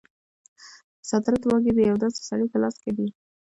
د صدارت واګې د یو داسې سړي په لاس کې دي.